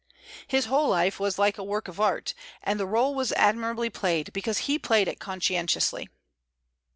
His whole life was like a work of art; and the rôle was admirably played, because he played it conscientiously."